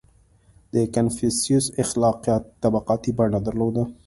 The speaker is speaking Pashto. • د کنفوسیوس اخلاقیات طبقاتي بڼه درلوده.